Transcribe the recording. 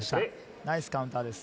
ナイスカウンターです。